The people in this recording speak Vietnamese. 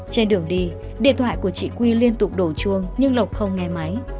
trên đường đi điện thoại của chị quy liên tục đổ chuông nhưng lộc không nghe máy